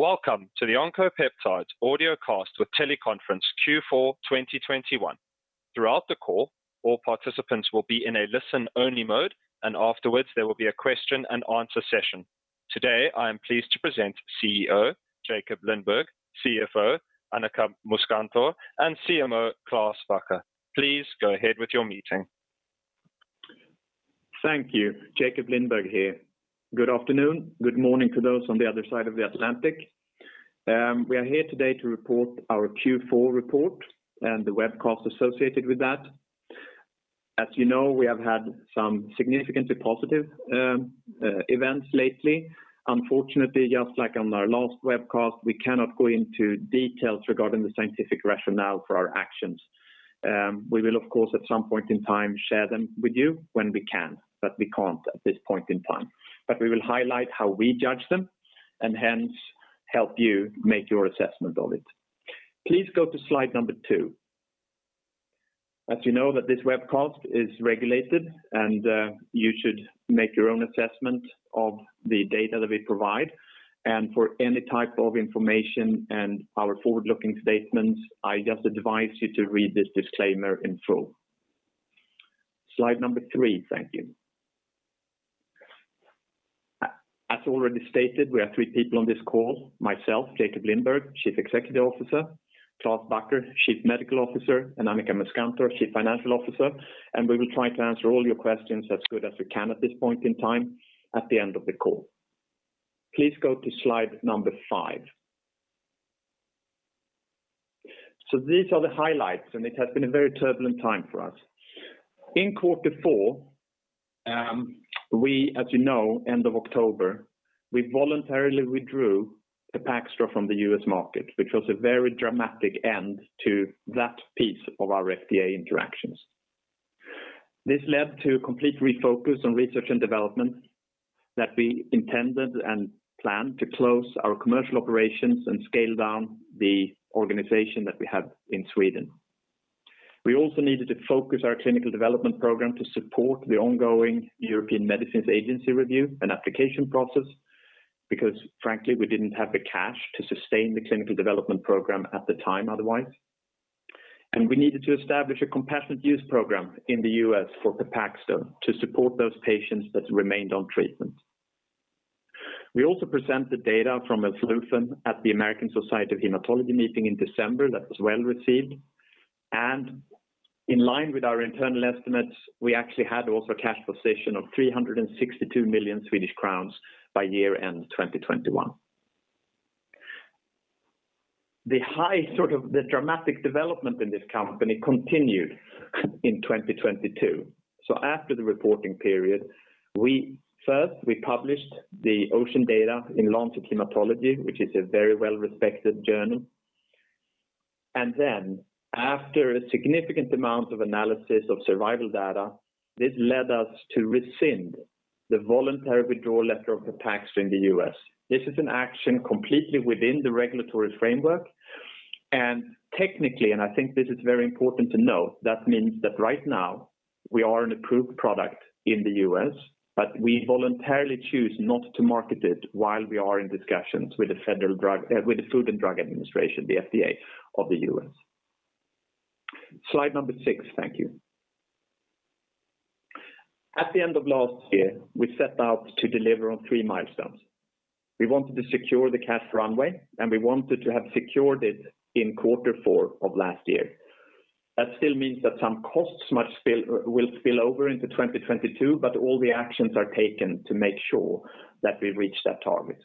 Welcome to the Oncopeptides Audiocast with Teleconference Q4 2021. Throughout the call, all participants will be in a listen-only mode, and afterwards there will be a question-and-answer session. Today, I am pleased to present CEO Jakob Lindberg, CFO Annika Muskantor, and CMO Klaas Bakker. Please go ahead with your meeting. Thank you. Jakob Lindberg here. Good afternoon. Good morning to those on the other side of the Atlantic. We are here today to report our Q4 report and the webcast associated with that. As you know, we have had some significantly positive events lately. Unfortunately, just like on our last webcast, we cannot go into details regarding the scientific rationale for our actions. We will, of course, at some point in time, share them with you when we can, but we can't at this point in time. We will highlight how we judge them and hence help you make your assessment of it. Please go to Slide two. As you know, that this webcast is regulated and you should make your own assessment of the data that we provide. For any type of information and our forward-looking statements, I just advise you to read this disclaimer in full. Slide three, thank you. As already stated, we are three people on this call, myself, Jakob Lindberg, Chief Executive Officer, Klaas Bakker, Chief Medical Officer, and Annika Muskantor, Chief Financial Officer, and we will try to answer all your questions as good as we can at this point in time at the end of the call. Please go to Slide five. These are the highlights, and it has been a very turbulent time for us. In quarter four, we, as you know, end of October, we voluntarily withdrew Pepaxto from the US market, which was a very dramatic end to that piece of our FDA interactions. This led to a complete refocus on research and development that we intended and planned to close our commercial operations and scale down the organization that we have in Sweden. We also needed to focus our clinical development program to support the ongoing European Medicines Agency review and application process because frankly, we didn't have the cash to sustain the clinical development program at the time otherwise. We needed to establish a compassionate use program in the U.S. for Pepaxto to support those patients that remained on treatment. We also presented data from Melflufen at the American Society of Hematology meeting in December that was well-received. In line with our internal estimates, we actually had also a cash position of 362 million Swedish crowns by year-end 2021. The high sort of the dramatic development in this company continued in 2022. After the reporting period, we first, we published the OCEAN data in Lancet Haematology, which is a very well-respected journal. Then after a significant amount of analysis of survival data, this led us to rescind the voluntary withdrawal letter of Pepaxto in the U.S. This is an action completely within the regulatory framework. Technically, and I think this is very important to note, that means that right now we are an approved product in the U.S., but we voluntarily choose not to market it while we are in discussions with the federal drug, with the Food and Drug Administration, the FDA of the U.S. Slide six, thank you. At the end of last year, we set out to deliver on three milestones. We wanted to secure the cash runway, and we wanted to have secured it in quarter four of last year. That still means that some costs must spill, will spill over into 2022, but all the actions are taken to make sure that we reach that target.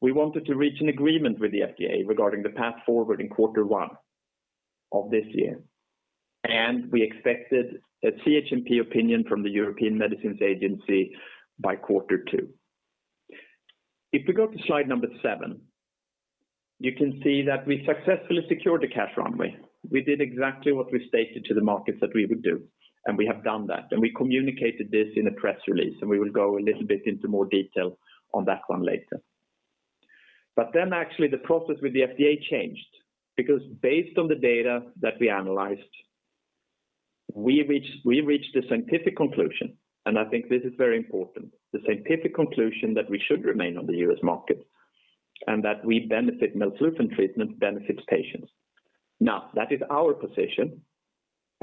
We wanted to reach an agreement with the FDA regarding the path forward in quarter one of this year, and we expected a CHMP opinion from the European Medicines Agency by quarter two. If we go to Slide seven, you can see that we successfully secured the cash runway. We did exactly what we stated to the markets that we would do, and we have done that. We communicated this in a press release, and we will go a little bit into more detail on that one later. Actually the process with the FDA changed because based on the data that we analyzed, we reached a scientific conclusion, and I think this is very important. The scientific conclusion that we should remain on the US market and that the benefits of Melflufen treatment benefit patients. Now, that is our position,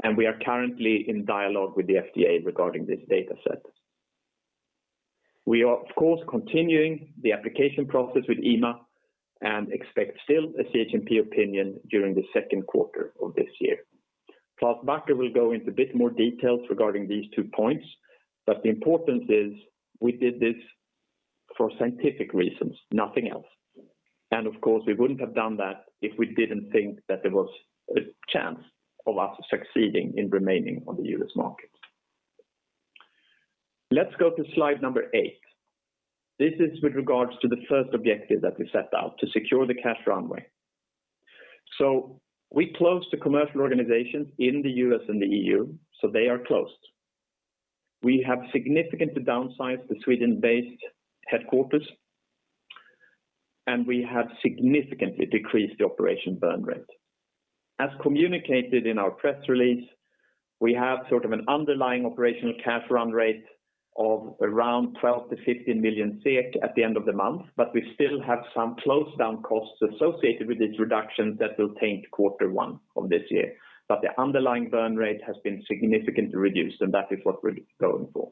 and we are currently in dialogue with the FDA regarding this data set. We are, of course, continuing the application process with EMA and expect still a CHMP opinion during the second quarter of this year. Plus, Klaas Bakker will go into a bit more details regarding these two points, but the importance is we did this for scientific reasons, nothing else. Of course, we wouldn't have done that if we didn't think that there was a chance of us succeeding in remaining on the US market. Let's go to Slide eight. This is with regards to the first objective that we set out to secure the cash runway. We closed the commercial organizations in the U.S. and the EU, so they are closed. We have significantly downsized the Sweden-based headquarters, and we have significantly decreased the operation burn rate. As communicated in our press release, we have sort of an underlying operational cash run rate of around 12 million-15 million SEK at the end of the month, but we still have some close down costs associated with this reduction that will taint quarter one of this year. The underlying burn rate has been significantly reduced, and that is what we're going for.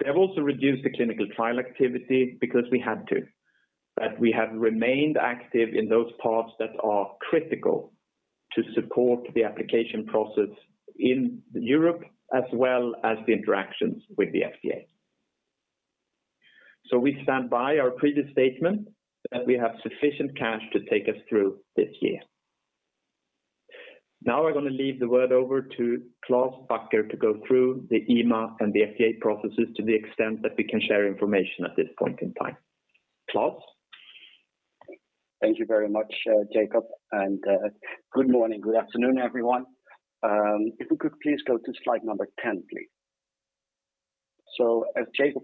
We have also reduced the clinical trial activity because we had to, but we have remained active in those parts that are critical to support the application process in Europe as well as the interactions with the FDA. We stand by our previous statement that we have sufficient cash to take us through this year. Now I'm gonna leave the word over to Klaas Bakker to go through the EMA and the FDA processes to the extent that we can share information at this point in time. Klaas. Thank you very much, Jakob, and good morning, good afternoon, everyone. If we could please go to Slide 10, please. As Jakob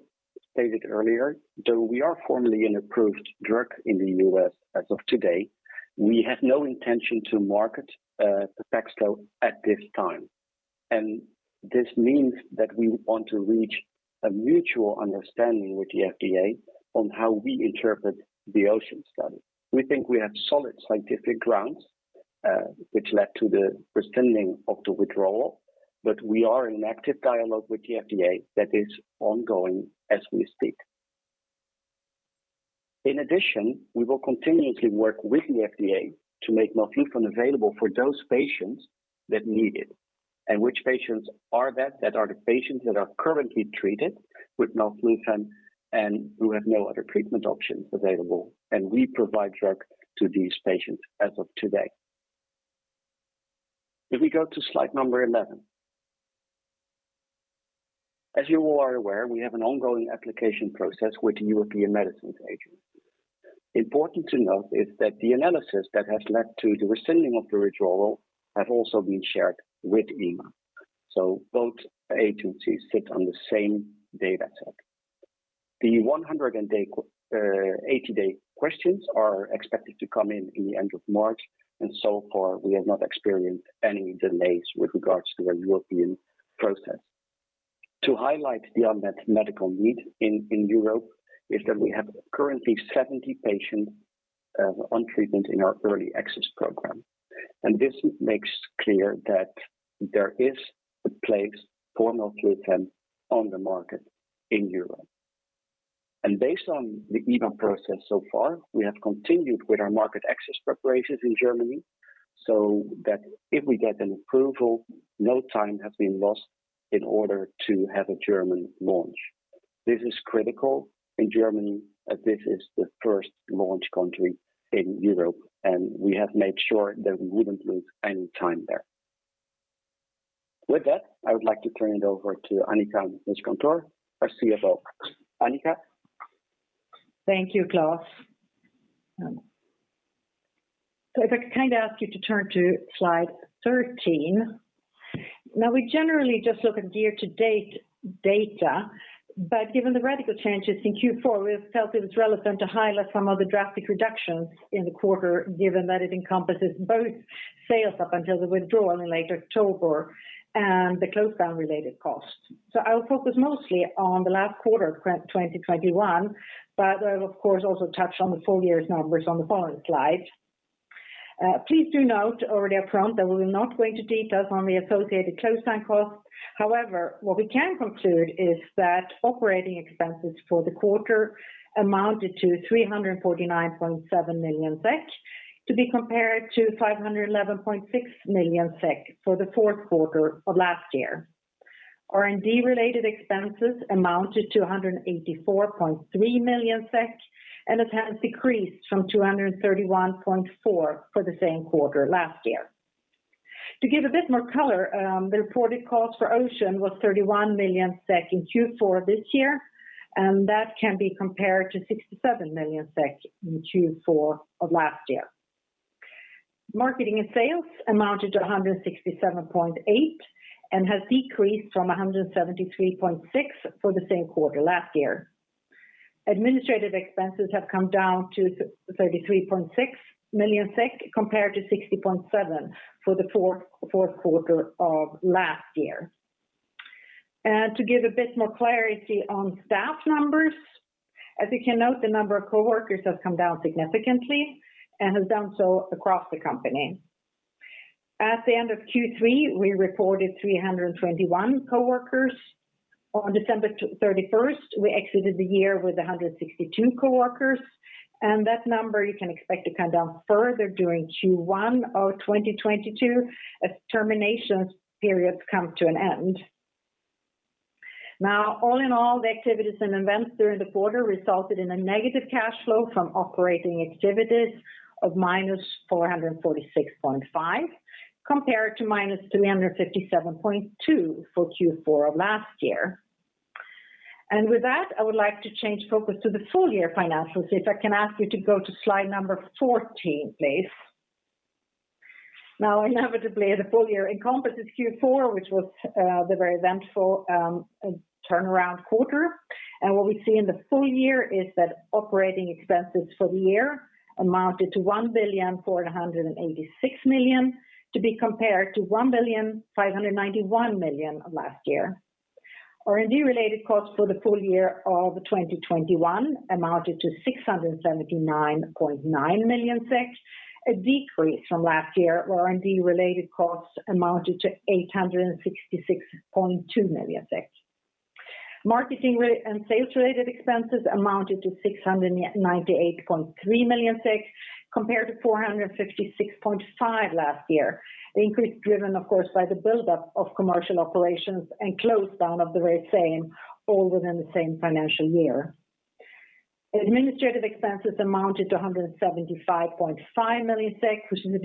stated earlier, though we are formally an approved drug in the U.S. as of today, we have no intention to market Pepaxto at this time. This means that we want to reach a mutual understanding with the FDA on how we interpret the OCEAN study. We think we have solid scientific grounds, which led to the rescinding of the withdrawal, but we are in active dialogue with the FDA that is ongoing as we speak. In addition, we will continuously work with the FDA to make Melflufen available for those patients that need it. Which patients are that? That are the patients that are currently treated with Melflufen and who have no other treatment options available, and we provide drug to these patients as of today. If we go to Slide 11. As you all are aware, we have an ongoing application process with the European Medicines Agency. Important to note is that the analysis that has led to the rescinding of the withdrawal have also been shared with EMA, so both agencies sit on the same data set. The 180-day questions are expected to come in in the end of March, and so far we have not experienced any delays with regards to our European process. To highlight the unmet medical need in Europe is that we have currently 70 patients on treatment in our early access program. This makes clear that there is a place for Melflufen on the market in Europe. Based on the EMA process so far, we have continued with our market access preparations in Germany, so that if we get an approval, no time has been lost in order to have a German launch. This is critical in Germany as this is the first launch country in Europe, and we have made sure that we wouldn't lose any time there. With that, I would like to turn it over to Annika Muskantor, our CFO. Annika. Thank you, Klaas. If I could kind of ask you to turn to Slide 13. We generally just look at year-to-date data, but given the radical changes in Q4, we have felt it was relevant to highlight some of the drastic reductions in the quarter, given that it encompasses both sales up until the withdrawal in late October and the close down related costs. I will focus mostly on the last quarter of 2021, but I will of course also touch on the full year's numbers on the following slide. Please do note already up front that we will not go into details on the associated close down costs. However, what we can conclude is that operating expenses for the quarter amounted to 349.7 million SEK, to be compared to 511.6 million SEK for the fourth quarter of last year. R&D related expenses amounted to 184.3 million SEK, and it has decreased from 231.4 for the same quarter last year. To give a bit more color, the reported cost for OCEAN was 31 million SEK in Q4 this year, and that can be compared to 67 million SEK in Q4 of last year. Marketing and sales amounted to 167.8, and has decreased from 173.6 for the same quarter last year. Administrative expenses have come down to 33.6 million SEK compared to 60.7 million for the fourth quarter of last year. To give a bit more clarity on staff numbers, as you can note, the number of coworkers has come down significantly and has done so across the company. At the end of Q3, we reported 321 coworkers. On December 31st, we exited the year with 162 coworkers, and that number you can expect to come down further during Q1 of 2022 as termination periods come to an end. All in all, the activities and events during the quarter resulted in a negative cash flow from operating activities of -446.5 million, compared to -357.2 million for Q4 of last year. With that, I would like to change focus to the full year financials, if I can ask you to go to Slide 14, please. Now, inevitably, the full year encompasses Q4, which was the very eventful turnaround quarter. What we see in the full year is that operating expenses for the year amounted to 1,486 million to be compared to 1,591 million last year. R&D related costs for the full year of 2021 amounted to 679.9 million, a decrease from last year where R&D related costs amounted to 866.2 million. Marketing and sales related expenses amounted to 698.3 million compared to 456.5 million last year. The increase driven, of course, by the buildup of commercial operations and close down of the very same all within the same financial year. Administrative expenses amounted to 175.5 million SEK, which is a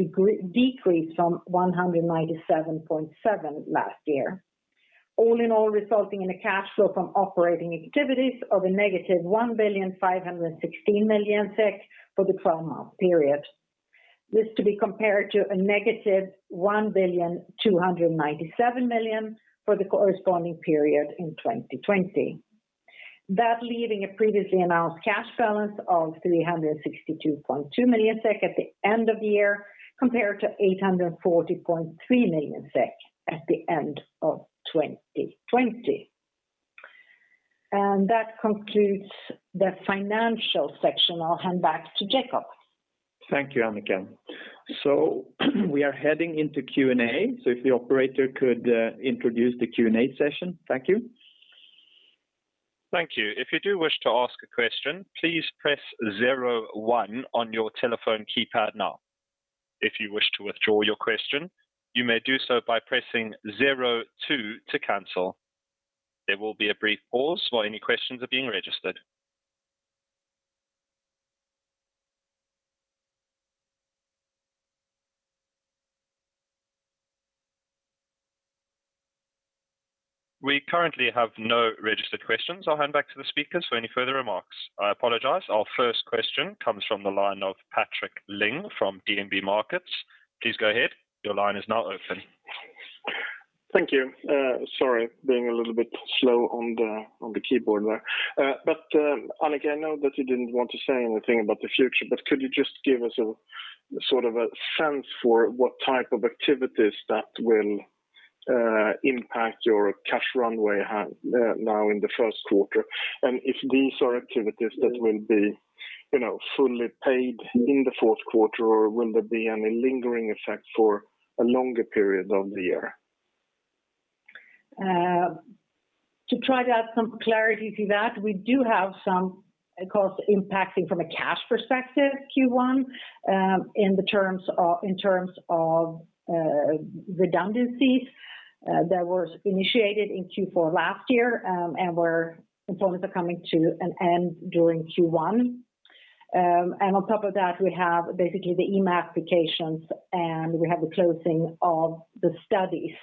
decrease from 197.7 last year. All in all, resulting in a cash flow from operating activities of negative 1,516 million SEK for the 12-month period. This to be compared to -1,297 million for the corresponding period in 2020. That leaving a previously announced cash balance of 362.2 million SEK at the end of the year, compared to 840.3 million SEK at the end of 2020. That concludes the financial section. I'll hand back to Jakob. Thank you, Annika. We are heading into Q&A. If the operator could introduce the Q&A session. Thank you. Thank you. I you wish to ask a question please press zero one on your telephone keypad now. If you wish to withdraw your question you may press zero two to cancel. There will be a so all questions will be a big pause so all questions are registered. We currently have no questions registered. I apologize, our first question comes from the line of Patrik Ling from DNB Markets. Please go ahead. Your line is now open. Thank you. Sorry, being a little bit slow on the keyboard there. Annika, I know that you didn't want to say anything about the future, but could you just give us a sort of a sense for what type of activities that will impact your cash runway now in the first quarter? If these are activities that will be fully paid in the fourth quarter, or will there be any lingering effect for a longer period of the year? To try to add some clarity to that, we do have some costs impacting from a cash perspective Q1, in terms of redundancies that were initiated in Q4 last year, and we were informed they are coming to an end during Q1. On top of that, we have basically the EMA applications, and we have the closing of the studies.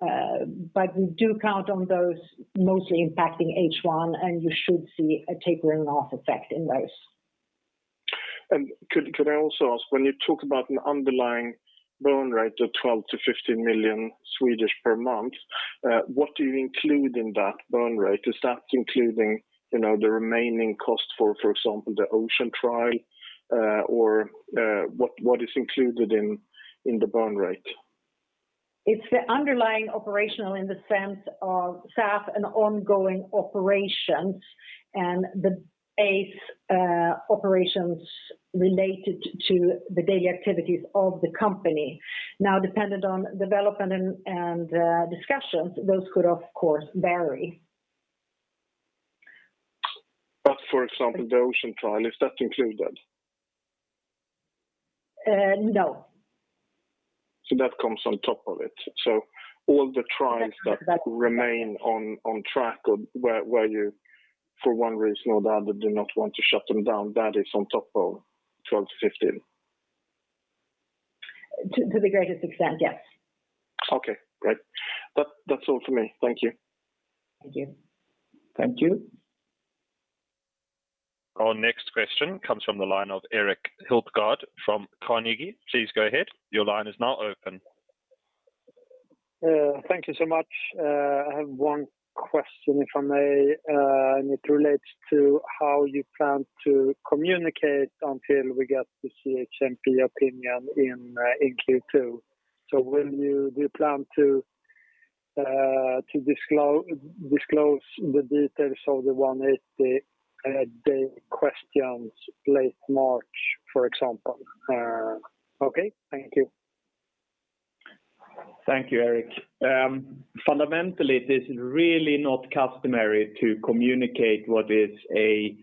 We do count on those mostly impacting H1, and you should see a tapering off effect in those. Could I also ask, when you talk about an underlying burn rate of 12 million-15 million per month, what do you include in that burn rate? Is that including, you know, the remaining cost for example, the OCEAN trial, or what is included in the burn rate? It's the underlying operational in the sense of staff and ongoing operations and the base, operations related to the daily activities of the company. Now, dependent on development and discussions, those could, of course, vary. For example, the OCEAN trial, is that included? No. That comes on top of it. All the trials that remain on track or where you, for one reason or the other, do not want to shut them down, that is on top of 12-15. To the greatest extent, yes. Okay, great. That's all for me. Thank you. Thank you. Thank you. Our next question comes from the line of Erik Hultgård from Carnegie. Please go ahead. Your line is now open. Thank you so much. I have one question if I may, and it relates to how you plan to communicate until we get the CHMP opinion in Q2. Do you plan to disclose the details of the 180-day questions late March, for example? Okay. Thank you. Thank you, Erik. Fundamentally, it is really not customary to communicate what is a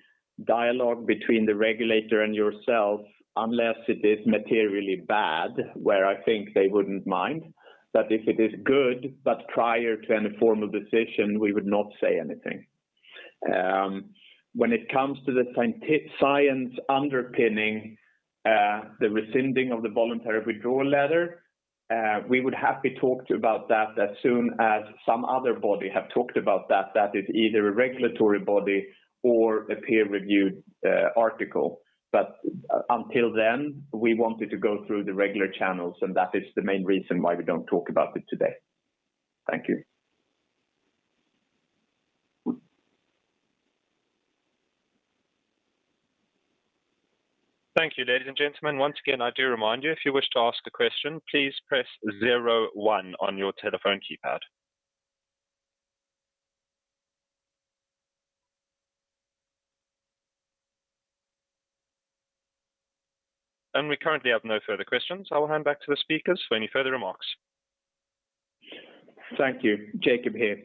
dialogue between the regulator and yourself unless it is materially bad, where I think they wouldn't mind. If it is good, but prior to any formal decision, we would not say anything. When it comes to the science underpinning the rescinding of the voluntary withdrawal letter, we would happily talk to you about that as soon as some other body have talked about that. That is either a regulatory body or a peer-reviewed article. Until then, we wanted to go through the regular channels, and that is the main reason why we don't talk about it today. Thank you. Thank you, ladies and gentlemen. Once again, I do remind you, if you wish to ask a question, please press zero one on your telephone keypad. We currently have no further questions. I will hand back to the speakers for any further remarks. Thank you. Jakob here.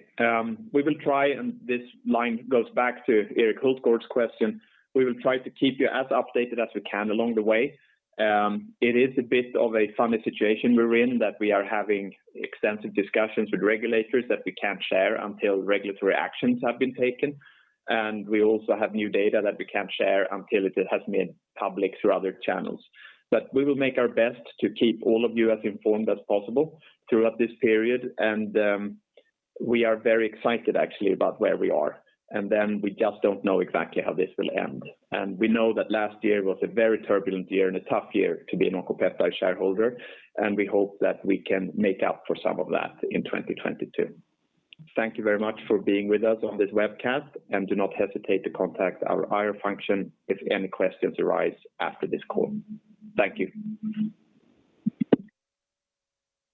We will try, and this line goes back to Erik Hultgård's question. We will try to keep you as updated as we can along the way. It is a bit of a funny situation we're in, that we are having extensive discussions with regulators that we can't share until regulatory actions have been taken. We also have new data that we can't share until it has been public through other channels. We will make our best to keep all of you as informed as possible throughout this period. We are very excited actually about where we are. Then we just don't know exactly how this will end. We know that last year was a very turbulent year and a tough year to be an Oncopeptides shareholder, and we hope that we can make up for some of that in 2022. Thank you very much for being with us on this webcast, and do not hesitate to contact our IR function if any questions arise after this call. Thank you.